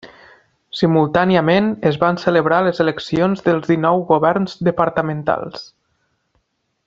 Simultàniament es van celebrar les eleccions dels dinou governs departamentals.